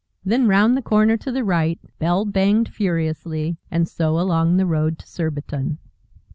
Then round the corner to the right bell banged furiously and so along the road to Surbiton.